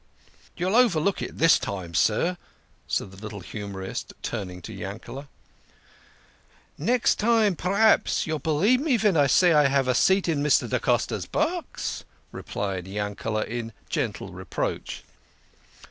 "You'll overlook it this time, sir," said the little humorist, turning to Yankele. "Next time, p'raps, you believe me ven I say I have a seat in Mr. da Costa's box," replied Yankel, in gentle reproach.